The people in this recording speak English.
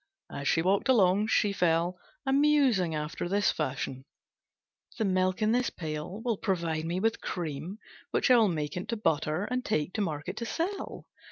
As she walked along, she fell a musing after this fashion: "The milk in this pail will provide me with cream, which I will make into butter and take to market to sell.